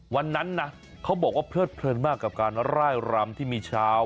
วันนั้นนะเขาบอกว่าเพลิดเพลินมากกับการร่ายรำที่มีชาว